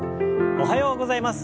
おはようございます。